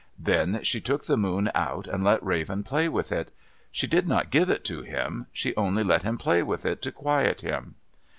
Then she took the moon out and let Raven play with it. She did not give it to him; she only let him play with it to quiet him.